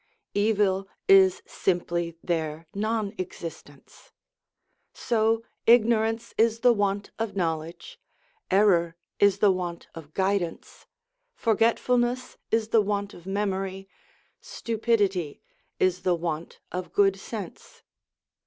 Evil is simply their non existence. So ignorance is the want of knowledge, error is the want of guidance, forgetfulness is the want of memory, stupidity is the want of good sense.